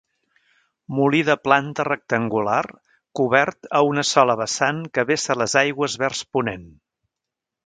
Molí de planta rectangular cobert a una sola vessant que vessa les aigües vers ponent.